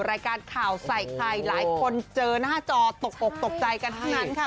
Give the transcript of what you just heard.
รายการข่าวใส่ไข่หลายคนเจอหน้าจอตกอกตกใจกันทั้งนั้นค่ะ